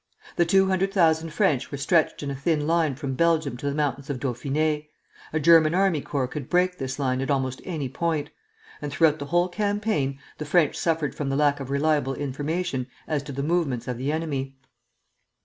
The two hundred thousand French were stretched in a thin line from Belgium to the mountains of Dauphiné. A German army corps could break this line at almost any point; and throughout the whole campaign the French suffered from the lack of reliable information as to the movements of the enemy.